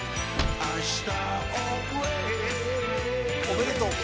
おめでとう。